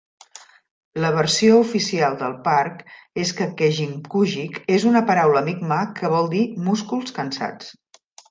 La versió oficial del parc és que Kejimkujik és una paraula Mi'kmaq que vol dir "músculs cansats".